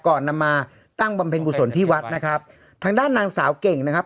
นำมาตั้งบำเพ็ญกุศลที่วัดนะครับทางด้านนางสาวเก่งนะครับ